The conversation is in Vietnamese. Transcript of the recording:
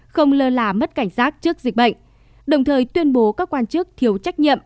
không lơ là mất cảnh giác trước dịch bệnh đồng thời tuyên bố các quan chức thiếu trách nhiệm